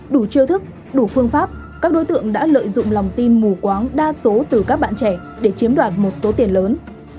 đủ chiêu thức đủ phương pháp các đối tượng đã lợi dụng lòng tin mù quáng đa số từ các bạn trẻ để chiếm đoạt một số tiền lớn